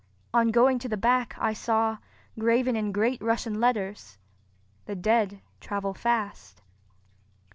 On going to the back I saw, graven in great Russian letters: "The dead travel fast."